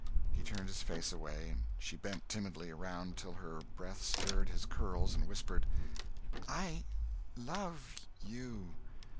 He turned his face away. She bent timidly around till her breath stirred his curls and whispered, "I—love—you!"